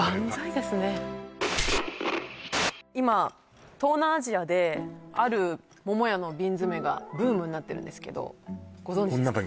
今東南アジアである桃屋の瓶詰がブームになってるんですけどご存じですか？